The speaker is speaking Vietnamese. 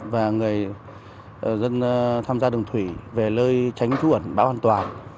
và người dân tham gia đường thủy về lơi tránh trú ẩn bão an toàn